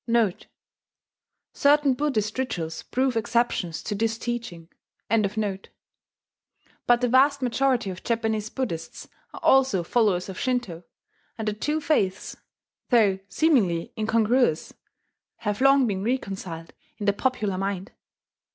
* [*Certain Buddhist rituals prove exceptions to this teaching.] But the vast majority of Japanese Buddhists are also followers of Shinto; and the two faiths, though seemingly incongruous, have long been reconciled in the popular mind.